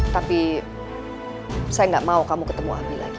tapi saya gak mau kamu ketemu abi lagi